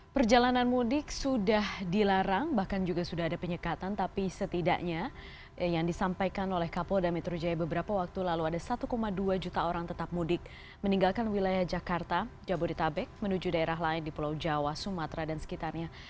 perjalanan mudik sudah dilarang bahkan juga sudah ada penyekatan tapi setidaknya yang disampaikan oleh kapolda metro jaya beberapa waktu lalu ada satu dua juta orang tetap mudik meninggalkan wilayah jakarta jabodetabek menuju daerah lain di pulau jawa sumatera dan sekitarnya